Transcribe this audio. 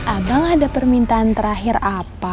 abang ada permintaan terakhir apa